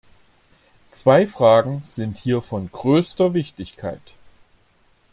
Zwei Fragen sind hier von größter Wichtigkeit.